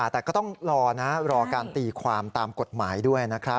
แต่ก็ต้องรอนะรอการตีความตามกฎหมายด้วยนะครับ